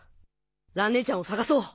蘭ねえちゃんを捜そう！